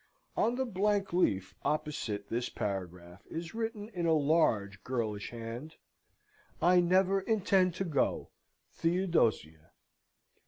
[On the blank leaf opposite this paragraph is written, in a large, girlish hand: "I never intend to go. THEODOSIA."